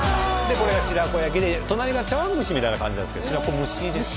これが白子焼で隣が茶碗蒸しみたいな感じなんですけど白子蒸ですね